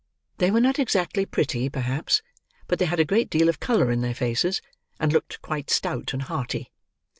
They were not exactly pretty, perhaps; but they had a great deal of colour in their faces, and looked quite stout and hearty.